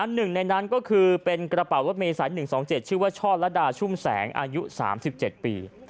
หนึ่งในนั้นก็คือเป็นกระเป๋ารถเมษาย๑๒๗ชื่อว่าช่อละดาชุ่มแสงอายุ๓๗ปี